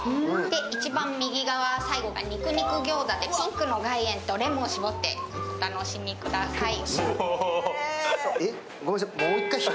一番右側、最後が肉肉餃子でピンクの岩塩とレモンを絞ってお楽しみください。